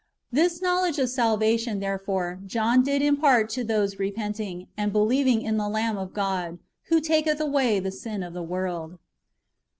^ This knowledge of salvation, therefore, John did impart to those repenting, and believing in the Lamb of God, who taketh away the sin of the world.